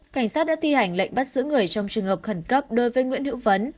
cảnh sát đã thi hành lệnh bắt giữ người trong trường hợp khẩn cấp đối với nguyễn hữu vấn